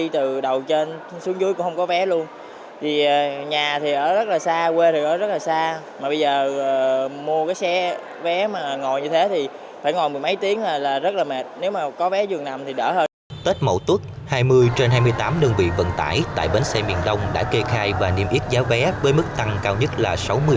tết mẫu tuất hai mươi trên hai mươi tám đơn vị vận tải tại bến xe miền đông đã kê khai và niêm yếp giá vé với mức tăng cao nhất là sáu mươi